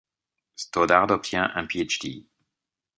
Stoddard obtient un Ph.D.